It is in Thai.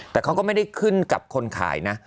แต่เขาก็ไม่ได้ขึ้นกับคนขายนะ